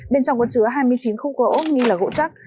bên trong có chứa hai mươi chín khung gỗ nghi là gỗ chắc